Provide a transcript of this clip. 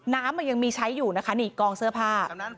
น้ำมันยังมีใช้อยู่นะคะนี่กองเสื้อผ้า